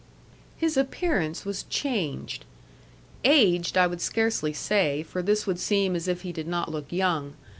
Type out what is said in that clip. His appearance was changed. Aged I would scarcely say, for this would seem as if he did not look young.